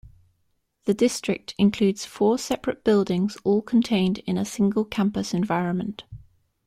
The district includes four separate buildings all contained in a single-campus environment.